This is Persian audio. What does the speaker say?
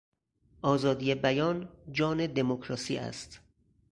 آزادی بیان، جان دمکراسی است.